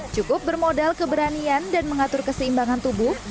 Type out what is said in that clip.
cukup bermodal keberanian dan mengatur keseimbangan tubuh